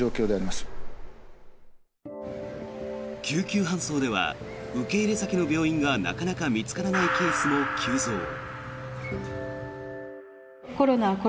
救急搬送では受け入れ先の病院がなかなか見つからないケースも急増。